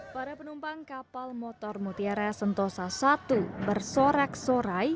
para penumpang kapal motor mutiara sentosa i bersorak sorai